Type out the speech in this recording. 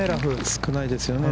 少ないですよね。